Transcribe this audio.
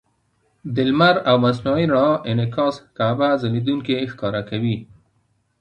د لمر او مصنوعي رڼا انعکاس کعبه ځلېدونکې ښکاره کوي.